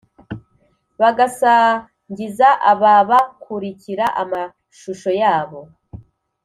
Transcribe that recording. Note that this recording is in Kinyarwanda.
bagasangiza ababakurikira amashusho yabo